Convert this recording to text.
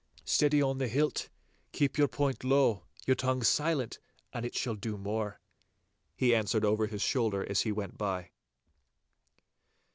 'Steady on the hilt! Keep your point low, your tongue silent, and it shall do more!' he answered over his shoulder as he went by.